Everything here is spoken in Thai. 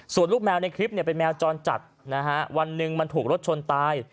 ส่วนลูกแมวในคลิปเนี่ยเป็นแมวจรจัดนะฮะวันหนึ่งมันถูกรถชนตาย